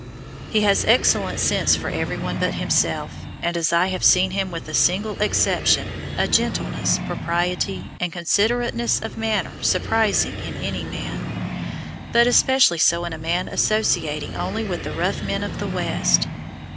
He has excellent sense for every one but himself, and, as I have seen him with a single exception, a gentleness, propriety, and considerateness of manner surprising in any man, but especially so in a man associating only with the rough men of the West.